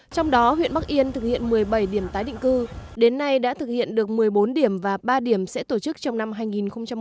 trong đó huyện bắc yên thực hiện một mươi bảy điểm tái định cư đến nay đã thực hiện được một mươi bốn điểm và ba điểm sẽ tổ chức trong năm hai nghìn hai mươi